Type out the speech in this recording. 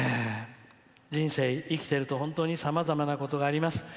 人生、生きてると本当にさまざまなことがあります。